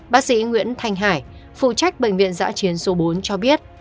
bác sĩ nguyễn thanh hải phụ trách bệnh viện giã chiến số bốn cho biết